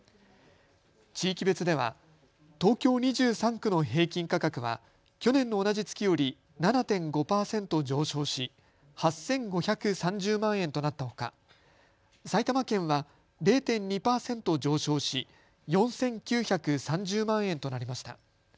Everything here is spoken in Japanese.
地域別では東京２３区の平均価格は去年の同じ月より７．５％上昇し８５３０万円となったほか埼玉県は０．２％上昇し４９３０万円となりました。